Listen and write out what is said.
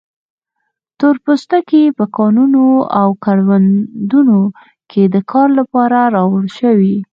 تور پوستکي په کانونو او کروندو کې د کار لپاره راوړل شوي.